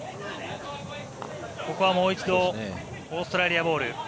ここはもう一度オーストラリアボール。